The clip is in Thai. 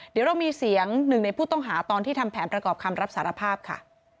เดี๋ยวเรามีเสียงหนึ่งในผู้ต้องหาตอนที่ทำแผนประกอบคำรับสารภาพค่ะ